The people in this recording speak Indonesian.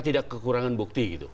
tidak kekurangan bukti gitu